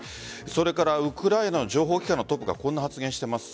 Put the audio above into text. それからウクライナの情報機関のトップがこんな発言をしています。